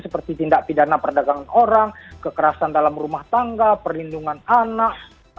seperti tindak pidana perdagangan orang kekerasan dalam rumah tangga perlindungan anak